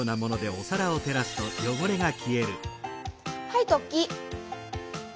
はいトッキー。